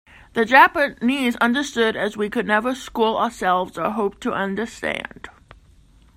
The Japanese understood as we could never school ourselves or hope to understand.